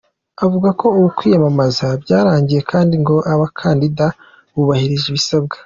Avuga ko ubu kwiyamamaza byarangiye kandi ngo abakandida bubahirije ibisabwa.